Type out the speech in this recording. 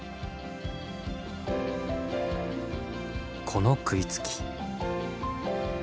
この食いつき。